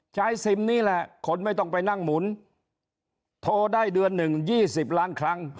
ซิมนี่แหละคนไม่ต้องไปนั่งหมุนโทรได้เดือนหนึ่ง๒๐ล้านครั้ง